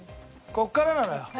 ここからなのよ